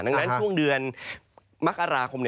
ดังนั้นช่วงเดือนมกราคม